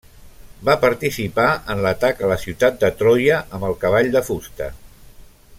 Va participar en l'atac a la ciutat de Troia amb el cavall de fusta.